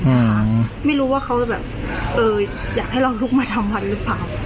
นะคะไม่รู้ว่าเขาจะแบบเอออยากให้เราลุกมาทำวัดหรือเปล่า